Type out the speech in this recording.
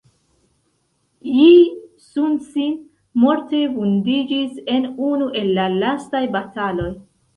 Ji Sun-sin morte vundiĝis en unu el la lastaj bataloj.